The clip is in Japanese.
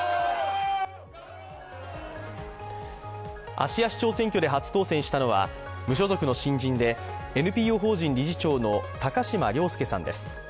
芦屋市長選挙で初当選したのは、無所属の新人でＮＰＯ邦人理事長の高島崚輔さんです。